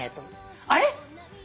あれ？